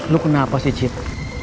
lo kenapa sih cip